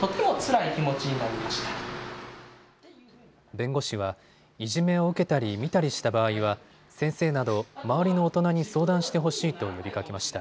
弁護士は、いじめを受けたり見たりした場合は先生など周りの大人に相談してほしいと呼びかけました。